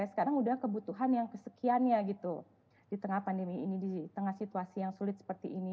sekarang udah kebutuhan yang kesekiannya gitu di tengah pandemi ini di tengah situasi yang sulit seperti ini